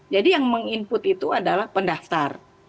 jadi yang meng input itu adalah pendaftar